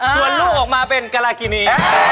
จวนลูกออกมาเป็นการรากิณี